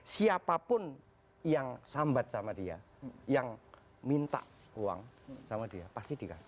siapapun yang sambat sama dia yang minta uang sama dia pasti dikasih